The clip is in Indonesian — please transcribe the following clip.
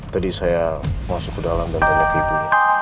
tadi saya masuk ke dalam dan tanya ke ibu